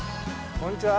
こんにちは。